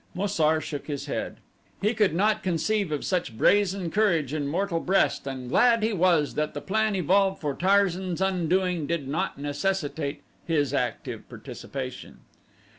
Mo sar shook his head. He could not conceive of such brazen courage in mortal breast and glad he was that the plan evolved for Tarzan's undoing did not necessitate his active participation.